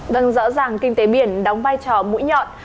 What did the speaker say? vâng rõ ràng kinh tế biển đóng vai trò mũi nhọn